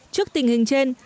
trước tình hình trên